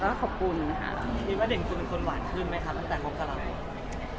คิดว่าเด็กคุณเป็นคนหวานขึ้นไหมคะตั้งแต่มกรรม